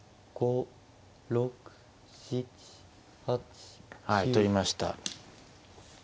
はい取りました。